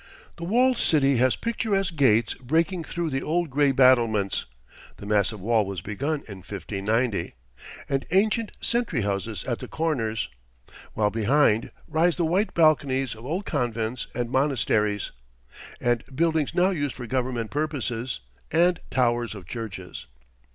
The walled city has picturesque gates breaking through the old gray battlements the massive wall was begun in 1590 and ancient sentry houses at the corners, while behind rise the white balconies of old convents and monasteries, and buildings now used for government purposes, and towers of churches.